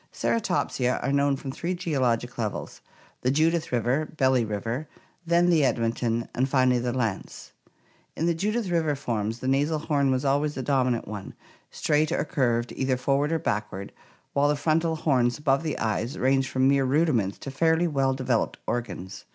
Ceratopsia are known from three geologic levels, the Judith River (= Belly River), then the Edmonton, and finally the Lance. In the Judith River forms the nasal horn was always the dominant one, straight or curved either forward or backward, while the frontal horns above the eyes ranged from mere rudiments to fairly well developed organs.